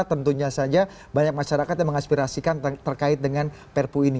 tentunya saja banyak masyarakat yang mengaspirasikan terkait dengan perpu ini